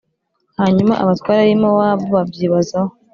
Hanyuma abatware bi mowabu babyibazaho